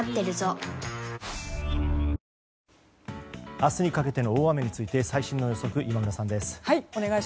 明日にかけての大雨について最新の予測今村さんです。